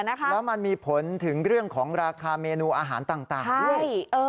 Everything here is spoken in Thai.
แล้วมันมีผลถึงเรื่องของราคาเมนูอาหารต่างด้วย